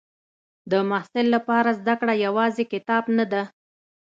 د محصل لپاره زده کړه یوازې کتاب نه ده.